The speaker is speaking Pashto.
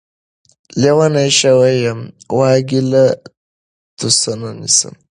لېونے شوے يمه واګې له توسنه نيسم